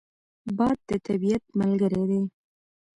باد د طبیعت ملګری دی